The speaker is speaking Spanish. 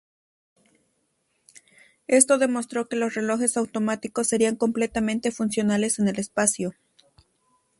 Esto demostró que los relojes automáticos serían completamente funcionales en el espacio.